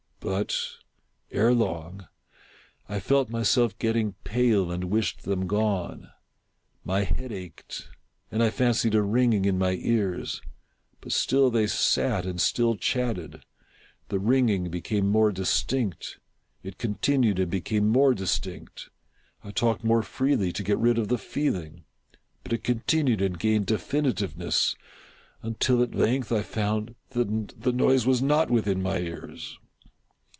But, ere long, I felt myself getting pale and wished them gone. My head ached, and I fancied a ringing in my ears : but still they sat and still chatted. The ringing became more distinct :— it continued and became more distinct : I talked more freely to get rid of the feeling : but it con tinued and gained definitiveness — until, at length, I found that the noise was not within my ears.